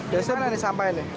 biasanya mana sampah ini